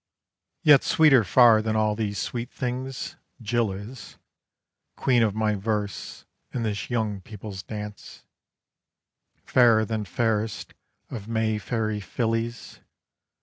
Yet sweeter far than all these sweet things, Jill is: Queen of my verse and this "Young People's Dance": Fairer than fairest of Mayfairy fillies!